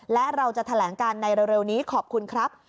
และเราจะแถลงการในเร็วนี้ขอบคุณครับ